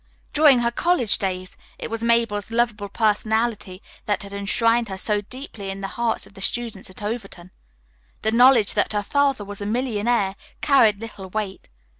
During her college days it was Mabel's lovable personality that had enshrined her so deeply in the hearts of the students at Overton. The knowledge that her father was a millionaire carried little weight.